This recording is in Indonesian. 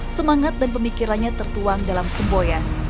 semangat dan pemikirannya tertuang dalam semboyan